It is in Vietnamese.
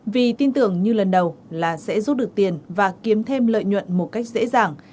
vì tin tưởng như lần đầu là sẽ rút được tiền và kiếm thêm lợi nhuận một cách dễ dàng